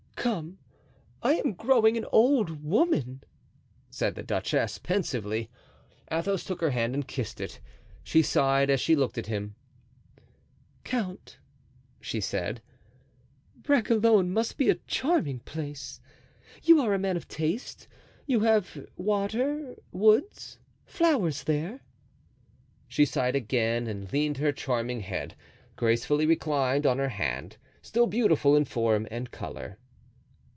"Come, I am growing an old woman!" said the duchess, pensively. Athos took her hand and kissed it. She sighed, as she looked at him. "Count," she said, "Bragelonne must be a charming place. You are a man of taste. You have water—woods—flowers there?" She sighed again and leaned her charming head, gracefully reclined, on her hand, still beautiful in form and color.